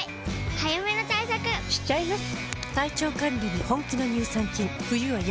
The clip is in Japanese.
早めの対策しちゃいます。